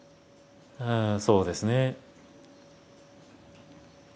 うんそうですね。